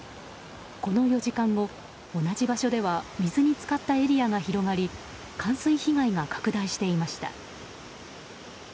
この２時間後、同じ場所では水に浸かったエリアが広がり冠水被害が拡大していました。